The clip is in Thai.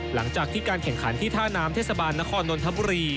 หลังจากที่การแข่งขันที่ท่าน้ำเทศบาลนครนนทบุรี